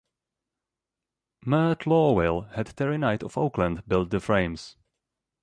Mert Lawwill had Terry Knight of Oakland build the frames.